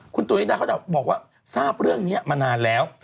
คุณตุ๋ยดาเขาจะบอกว่าทราบเรื่องนี้มานานแล้ว